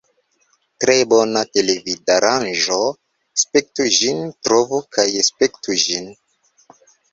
Tre bona televidaranĝo; spektu ĝin trovu kaj spektu ĝin!